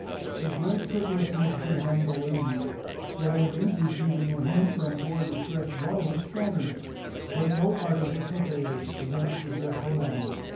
But Gregg took refuge behind the ladies. The ladies, receiving a hint from poor distressed Dolly, scattered. But no artifice availed against the dreadful man.